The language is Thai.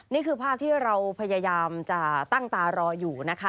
นี่คือภาพที่เราพยายามจะตั้งตารออยู่นะคะ